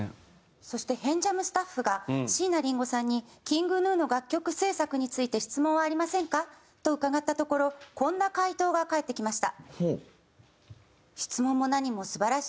そして「変ジャム」スタッフが椎名林檎さんに「ＫｉｎｇＧｎｕの楽曲制作について質問はありませんか？」と伺ったところこんな回答が返ってきました。